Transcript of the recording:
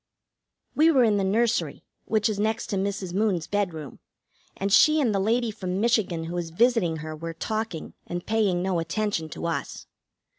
We were in the nursery, which is next to Mrs. Moon's bedroom, and she and the lady from Michigan, who is visiting her, were talking and paying no attention to us.